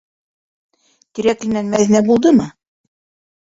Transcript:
Тирәкленән Мәҙинә булдымы?